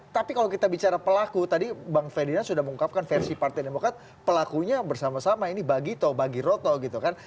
tapi kalau kita bicara pelaku tadi bang ferdinand sudah mengungkapkan versi partai demokrat pelakunya bersama sama ini bagito bagi roto gitu kan